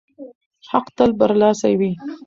حق تل برلاسی وي.